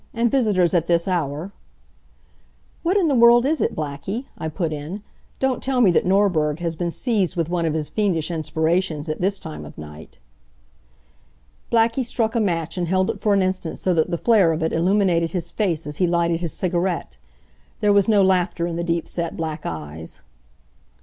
And visitors at this hour " "What in the world is it, Blackie?" I put in. "Don't tell me that Norberg has been seized with one of his fiendish inspirations at this time of night." Blackie struck a match and held it for an instant so that the flare of it illuminated his face as he lighted his cigarette. There was no laughter in the deep set black eyes.